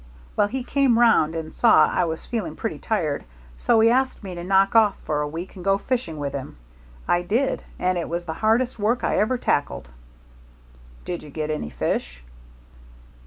Well, he came 'round and saw I was feeling pretty tired, so he asked me to knock off for a week and go fishing with him. I did, and it was the hardest work I ever tackled." "Did you get any fish?"